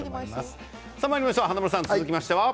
華丸さん続きましては？